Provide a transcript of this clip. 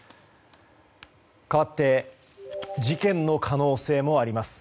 かわって事件の可能性もあります。